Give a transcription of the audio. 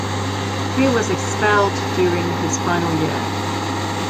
He was expelled during his final year.